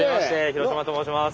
廣島と申します。